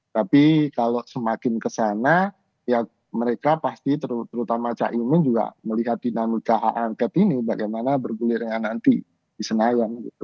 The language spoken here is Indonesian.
tapi kalau semakin kesana ya mereka pasti terutama cak imin juga melihat dinamika hak angket ini bagaimana bergulirnya nanti di senayan gitu